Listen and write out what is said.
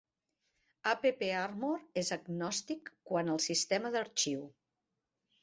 AppArmor es agnòstic quant el sistema d'arxiu.